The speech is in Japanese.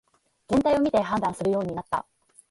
全体を見て判断するようになった